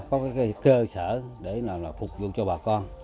có cái cơ sở để phục vụ cho bà con